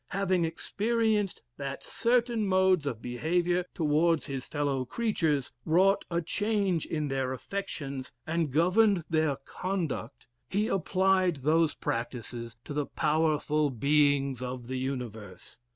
Having experienced that certain modes of behavior towards his fellow creatures wrought a change in their affections and governed their conduct, he applied those practices to the powerful beings of the universe.